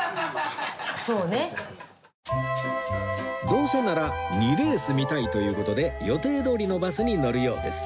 どうせなら２レース見たいという事で予定どおりのバスに乗るようです